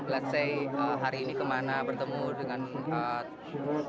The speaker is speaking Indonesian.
let's say hari ini kemana bertemu dengan teman teman